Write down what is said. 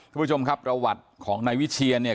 ทุกผู้ชมครับประวัติของนายวิเชีย